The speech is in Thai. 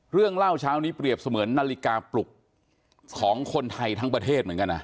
เรื่องเล่าเช้านี้เปรียบเสมือนนาฬิกาปลุกของคนไทยทั้งประเทศเหมือนกันนะ